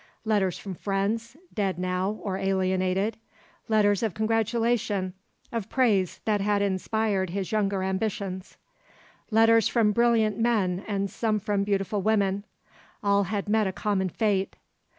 Letters from friends, dead now or alienated; letters of congratulation, of praise that had inspired his younger ambitions; letters from brilliant men and some from beautiful women, all had met a common fate.